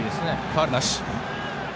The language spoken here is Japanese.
ファウルなし。